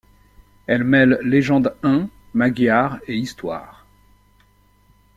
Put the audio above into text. Elle mêle légendes Huns, Magyares et Histoire.